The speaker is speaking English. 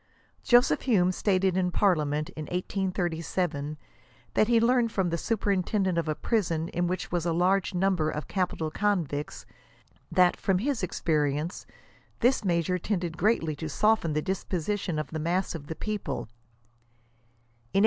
Joseph Hume stated in Parliament, in 1837, that he learned from the superintendent of a prison in which was a large number or capital convicts, that '* from his experience" this mea sure <* tended greatly to soften the disposition of the mas3 of the peo* 95 pie."